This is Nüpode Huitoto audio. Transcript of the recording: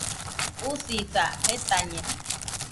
Usisa, jetañeno